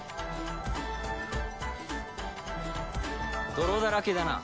泥だらけだな。